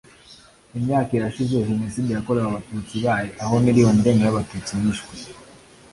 Imyaka irashize Jenoside yakorewe Abatutsi ibaye aho miliyoni irenga y Abatutsi yishwe